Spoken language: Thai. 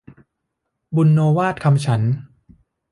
บุณโณวาทคำฉันท์